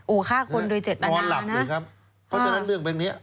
ฆ่าคนโดยเจตนานอนหลับเลยครับเพราะฉะนั้นเรื่องแบบเนี้ย